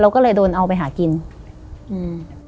ก็เลยโดนเอาไปหากินอืม